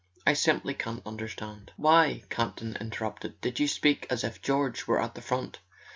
I simply can't understand. .." "Why," Campton interrupted, "did you speak as if George were at the front?